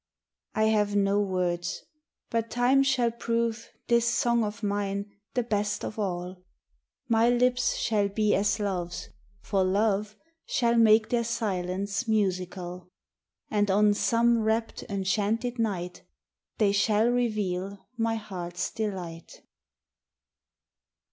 I have no words, but Time shall prove This song of mine the best of all, My lips shall be as Love's, for love Shall make their silence musical ; And on some rapt, enchanted night, They shall reveal my heart's delight.